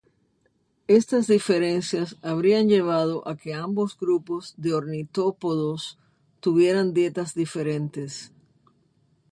Estas diferencias habrían llevado a que ambos grupos de ornitópodos tuvieran dietas diferentes.